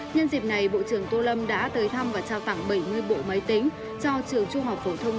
nhân dịp này bộ trưởng tô lâm đã tới thăm và trao tặng bảy mươi bộ máy tính cho trường trung học phổ thông